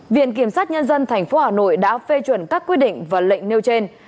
viện kiểm sát nhân dân tp hà nội đã phê chuẩn các quy định và lệnh nêu trên